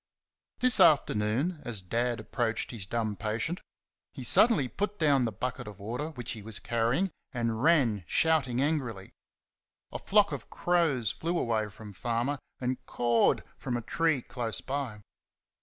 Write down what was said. This afternoon, as Dad approached his dumb patient, he suddenly put down the bucket of water which he was carrying and ran, shouting angrily. A flock of crows flew away from Farmer and "cawed" from a tree close by.